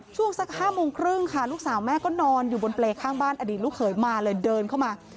ช่วงสัก๕โมงครึ่งค่ะลูกสาวแม่ก็นอนอยู่บนเปรย์ข้างบ้านอดีตลูกเขยมาเลยเดินเข้ามา